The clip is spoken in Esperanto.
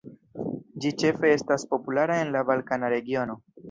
Ĝi ĉefe estas populara en la balkana regiono.